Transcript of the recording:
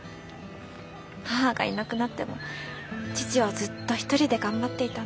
母がいなくなっても父はずっと一人で頑張っていたんです。